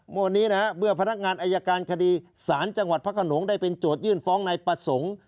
วันนี้นะฮะเมื่อพนักงานอายการคดีศาลจังหวัดพระขนงได้เป็นโจทยื่นฟ้องนายประสงค์